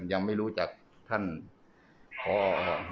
ตอนนี้ก็ไม่มีอัศวินทรีย์